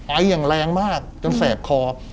ไปอย่างแรงมากจนแสบคอ